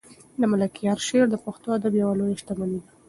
د ملکیار شعر د پښتو ادب یوه لویه شتمني ده.